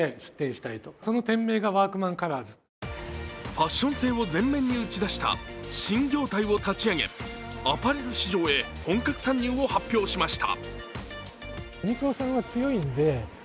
ファッション性を全面に打ち出した新業態を立ち上げアパレル市場へ本格参入を発表しました。